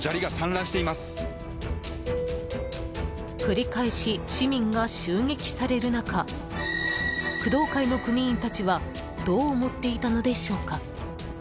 繰り返し市民が襲撃される中工藤会の組員たちはどう思っていたのでしょうか。